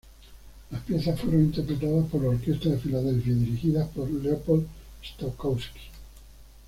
Las piezas fueron interpretadas por la Orquesta de Filadelfia y dirigida por Leopold Stokowski.